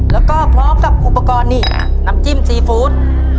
แล้วก็พร้อมกับอุปกรณ์นี่น้ำจิ้มซีฟู้ด